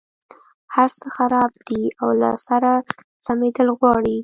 هرڅه خراب دي او له سره سمېدل غواړي.